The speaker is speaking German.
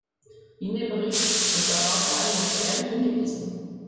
In dem Bericht wird darauf leider nur spärlich hingewiesen.